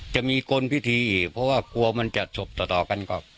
จะมีกลพิธีอีกเพราะว่ากลัวมันจะจบต่อกันก็